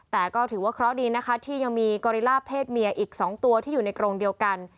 แต่ก็ถือว่าเคราะห์ดีนะคะที่ยังมีกอริล่าเพศเมียอีก๒ตัวที่อยู่ในกรงเดียวกัน